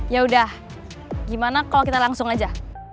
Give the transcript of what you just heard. ya udah gimana kalau kita langsung aja